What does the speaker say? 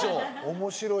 面白い。